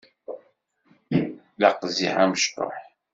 D aqziḥ amecṭuḥ.